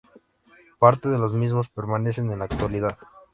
Parte de los mismos permanecen en la actualidad.